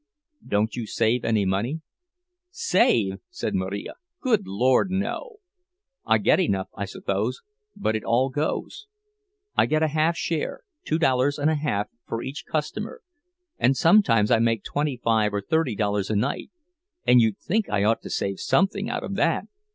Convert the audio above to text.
"Don't you save any money?" "Save!" said Marija. "Good Lord, no! I get enough, I suppose, but it all goes. I get a half share, two dollars and a half for each customer, and sometimes I make twenty five or thirty dollars a night, and you'd think I ought to save something out of that!